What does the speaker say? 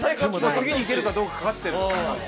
次にいけるかどうかかかってる。